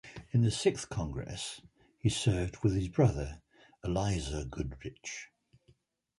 In the Sixth Congress, he served with his brother Elizur Goodrich.